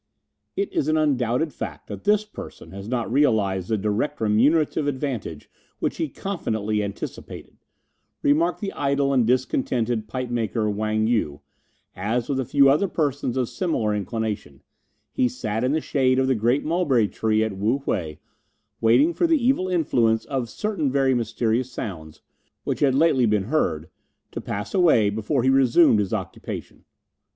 "It is an undoubted fact that this person has not realized the direct remunerative advantage which he confidently anticipated," remarked the idle and discontented pipe maker Wang Yu, as, with a few other persons of similar inclination, he sat in the shade of the great mulberry tree at Wu whei, waiting for the evil influence of certain very mysterious sounds, which had lately been heard, to pass away before he resumed his occupation.